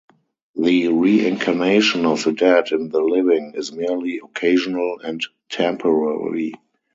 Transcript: The reincarnation of the dead in the living is merely occasional and temporary.